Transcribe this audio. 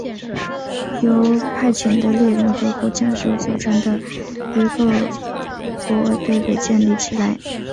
由派遣的猎人和火枪手组成的一个国卫队被建立起来。